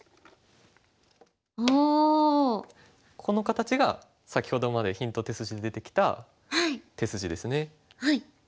この形が先ほどまでヒント手筋で出てきた手筋ですね。